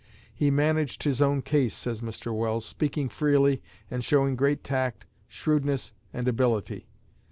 "He managed his own case," says Mr. Welles, "speaking freely, and showing great tact, shrewdness, and ability."